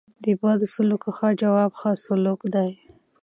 د بدو سلوکو ښه جواب؛ ښه سلوک دئ.